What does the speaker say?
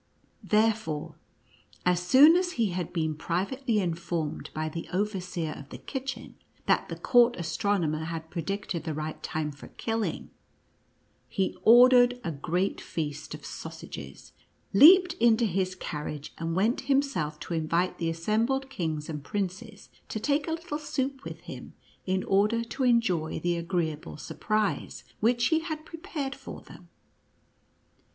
Therefore as soon as he had been pri NUTCRACKER AND HOUSE KING. 59 vately informed by the overseer of the kitchen, that the court astronomer had predicted the right time for killing, he ordered a great feast of sausages, leaped into his carriage, and went himself to invite the assembled kings and princes to take a little soup with him, in order to enjoy the agreeable surprise which he had prepared for them.